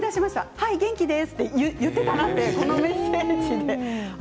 はい元気です！と言っていたなってこのメッセージで。